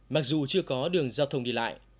mặc dù chưa có đường giao thông đi lại